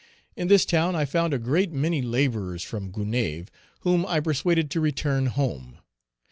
In this town I found a great many laborers from Gonaïves, whom I persuaded to return home.